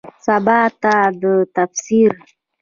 سباته ده تفسیر